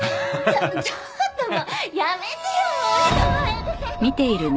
ちょちょっともうやめてよもう人前で！